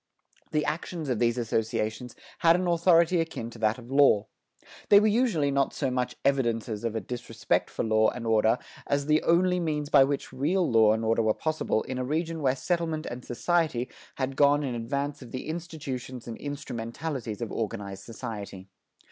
The actions of these associations had an authority akin to that of law. They were usually not so much evidences of a disrespect for law and order as the only means by which real law and order were possible in a region where settlement and society had gone in advance of the institutions and instrumentalities of organized society.